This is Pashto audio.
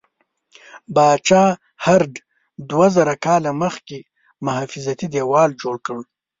پاچا هرډ دوه زره کاله مخکې محافظتي دیوال جوړ کړ.